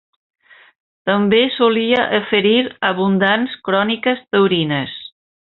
També solia oferir abundants cròniques taurines.